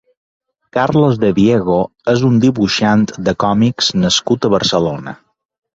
Carlos de Diego és un dibuixant de còmics nascut a Barcelona.